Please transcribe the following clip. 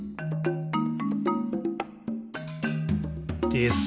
「です。」